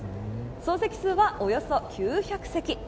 総席数は、およそ９００席。